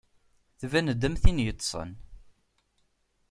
Tban-d am tin yeṭṭsen.